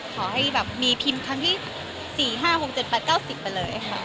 ขอให้แบบมีพิมพ์ครั้งที่๔๕๖๗๘๙๐ไปเลยค่ะ